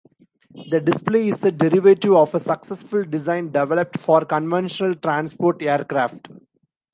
The display is a derivative of a successful design developed for conventional transport aircraft.